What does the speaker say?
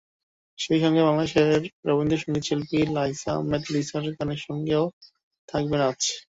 সেই সঙ্গে বাংলাদেশের রবীন্দ্রসংগীতশিল্পী লাইসা আহমেদ লিসার গানের সঙ্গেও থাকবে নাচ।